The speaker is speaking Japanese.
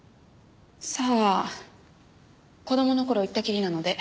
さあ子供の頃行ったきりなので。